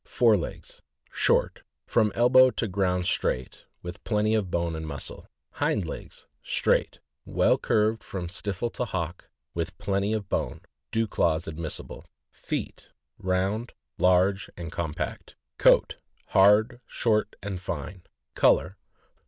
Fore legs. — Short, from elbow to ground straight, with plenty of bone and muscle. Hind legs. — Straight, well curved from stifle to hock, with plenty of bone; dew claws admissible. Feet. — Round, large, and compact. Coat. — Hard, short, and fine. Color.